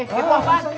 eh kepo apaan